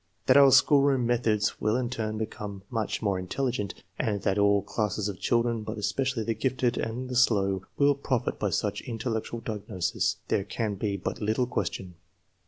That our schoolroom methods will in turn become much more intelligent, and that all classes of children, but esjxi cially the gifted and the slow, will profit by such intellectual diagnosis, there can be but little question.